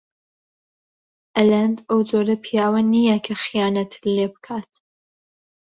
ئەلەند ئەو جۆرە پیاوە نییە کە خیانەتت لێ بکات.